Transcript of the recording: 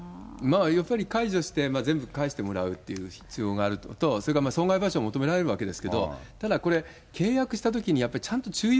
やっぱり解除して、全部返してもらうっていう必要があるのと、それから損害賠償を求められるわけですから、ただこれ、契約したときにやっぱりちゃんと注意